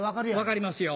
分かりますよ。